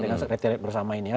dengan sekretariat bersama ini